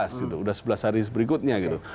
sudah sebelas hari berikutnya gitu